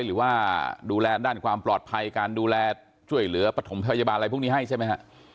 หรือว่าดูแลด้านความปลอดภัยการดูแลช่วยเหลือปฐมพยาบาลอะไรพวกนี้ให้ใช่ไหมฮะ